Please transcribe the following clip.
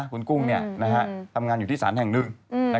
คุณกุ้งทำงานอยู่ที่สารแห่งหนึ่ง